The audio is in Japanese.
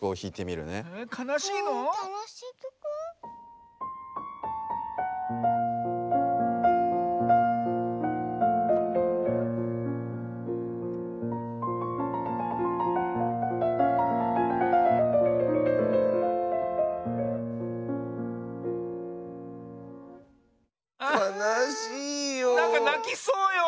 なんかなきそうよ